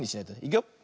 いくよ。